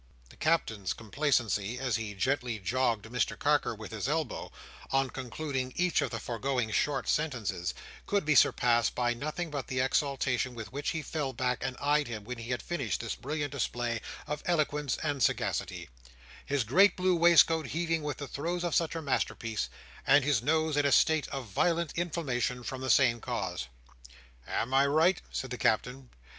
The Captain's complacency as he gently jogged Mr Carker with his elbow, on concluding each of the foregoing short sentences, could be surpassed by nothing but the exultation with which he fell back and eyed him when he had finished this brilliant display of eloquence and sagacity; his great blue waistcoat heaving with the throes of such a masterpiece, and his nose in a state of violent inflammation from the same cause. "Am I right?" said the Captain.